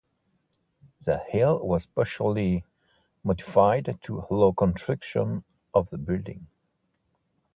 The hill was partially modified to allow construction of the building.